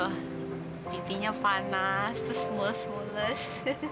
oh pipinya panas terus mulus mulus